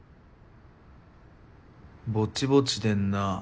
ぼちぼちでんな。